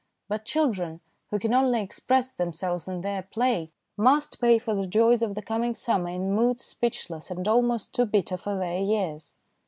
But children, who can only express themselves in their play, must pay for the joys of the coming summer in moods speechless and almost too bitter for their CHILDREN AND THE SPRING 55 years.